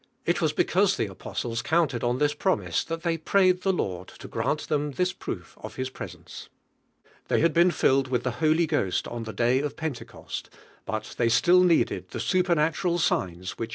f was because the apostles counted on this premise that they prayed the Lord to gran! them this proof of His presence. They had been filled with (he Holy Ghost on the day of Pentecost, but they gtiU needed the supernatural signs whirl.